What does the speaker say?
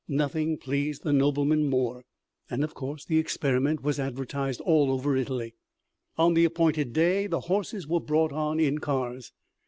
Nothing pleased the nobleman more, and of course the experiment was advertised all over Italy. On the appointed day the horses were brought on in cars.